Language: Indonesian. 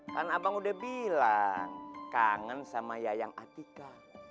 kan abang udah bilang kangen sama yayang atika